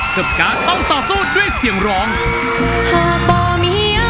หนูใส่ถ่านมากี่ก้อนนะครับ